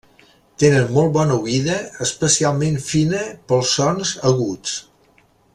Tenen molt bona oïda, especialment fina pels sons aguts.